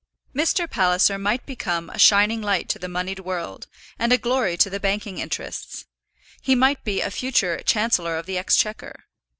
Mr. Palliser might become a shining light to the moneyed world, and a glory to the banking interests; he might be a future Chancellor of the Exchequer.